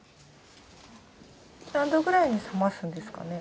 何度ぐらいに冷ますんですかね？